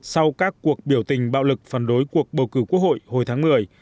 sau các cuộc biểu tình bạo lực phần đối cuộc bầu cử quốc hội hồi tháng một mươi